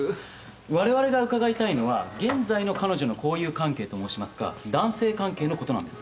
我々が伺いたいのは現在の彼女の交友関係と申しますか男性関係のことなんです。